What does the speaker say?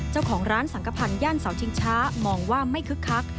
เจ้าของร้านสังขพันธ์ย่านเสาชิงช้ามองว่าไม่คึกคัก